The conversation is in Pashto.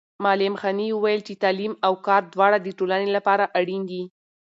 معلم غني وویل چې تعلیم او کار دواړه د ټولنې لپاره اړین دي.